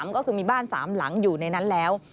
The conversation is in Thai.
ก็คือมีบ้าน๓หลังอยู่ในนั้นแล้ว